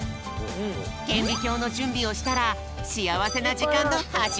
けんびきょうのじゅんびをしたらしあわせなじかんのはじまり！